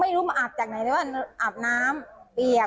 ไม่รู้มาอาบจากไหนเลยว่าอาบน้ำเปียก